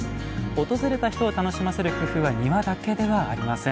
訪れた人を楽しませる工夫は庭だけではありません。